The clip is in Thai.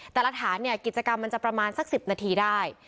แต่ละฐานเนี่ยกิจกรรมมันจะประมาณสัก๑๐นาทีได้